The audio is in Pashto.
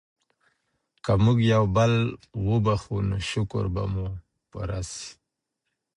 که موږ یو بل وبښو نو شکر به مو پوره سي.